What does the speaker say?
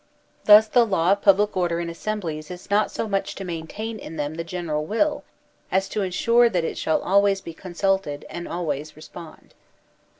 * Thus the law of public order in assemblies is not so much to maintain in them the general will as to insure that it shall always be con sulted and always respond.